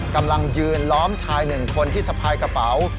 กำลังยืนล้อมชายหนึ่งคนที่สะพายกระเป๋า